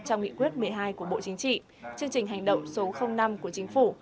trong nghị quyết một mươi hai của bộ chính trị chương trình hành động số năm của chính phủ